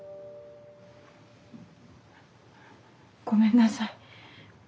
ごめんなさい。